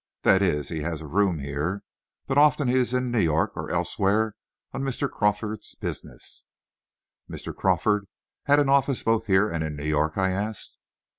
That is, he has a room here, but often he is in New York or elsewhere on Mr. Crawford's business." "Mr. Crawford had an office both here and in New York?" I asked.